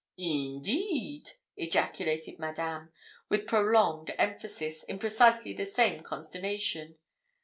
'Eendeed!' ejaculated Madame, with prolonged emphasis, in precisely the same consternation.